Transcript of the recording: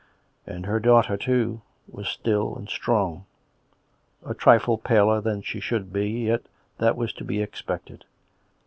And her daughter, too, was still and strong ; a trifle paler than she should be, yet that was to be expected.